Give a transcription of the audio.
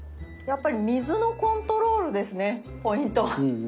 やっぱり水のコントロールですねポイントは。